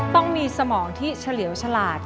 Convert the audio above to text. ต้องมีสมองที่เฉลียวฉลาด